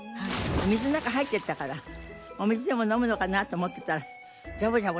水の中に入っていったからお水でも飲むのかなと思ってたらジャボジャボ